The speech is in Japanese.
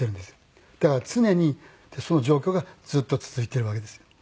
だから常にその状況がずっと続いてるわけですよ。